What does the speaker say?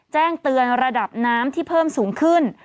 แจ้งเตือนระดับน้ำที่เพิ่มสูงขึ้น